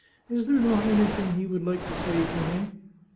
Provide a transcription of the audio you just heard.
Is there not anything he would like to say to me